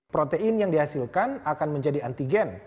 protein yang dihasilkan akan menjadi antigen